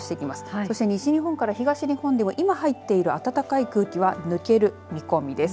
そして、西日本から東日本でも今、入っている暖かい空気は抜ける見込みです。